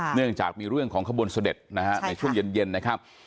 เนื่องจากมีเรื่องของขบวนเสด็จนะฮะในช่วงเย็นนะครับ